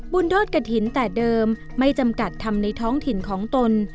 โทษกระถิ่นแต่เดิมไม่จำกัดทำในท้องถิ่นของตน